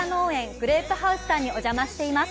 グレープハウスさんにお邪魔しています。